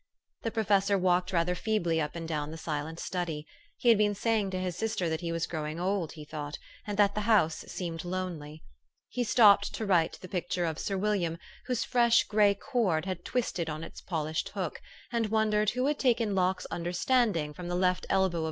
The professor walked rather feebly up and down the silent study. He had been saying to his sister that he was growing old, he thought, and that the house seemed lonely. He stopped to right the picture of Sir William, whose fresh gray cord had twisted on its polished hook, and wondered who had taken Locke's Understanding from the left elbow of 444 THE STORY OF AVIS.